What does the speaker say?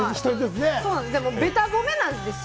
べた褒めなんですよ。